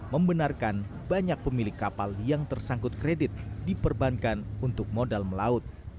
membenarkan banyak pemilik kapal yang tersangkut kredit diperbankan untuk modal melaut